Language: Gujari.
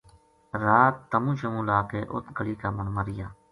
رات تمو شمو لا کے اُت گلی کا مُنڈھ ما رہیا